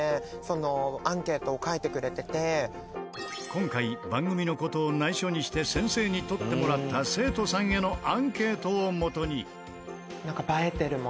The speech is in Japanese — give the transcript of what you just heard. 今回番組の事を内緒にして先生に取ってもらった生徒さんへのアンケートをもとに。